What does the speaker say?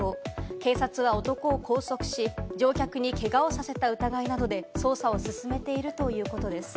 警察は男を拘束し、乗客にけがをさせた疑いなどで捜査を進めているということです。